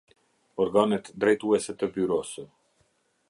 Organet drejtuese të Byrosë.